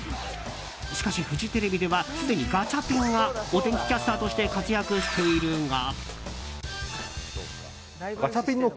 しかし、フジテレビではすでにガチャピンがお天気キャスターとして活躍しているが。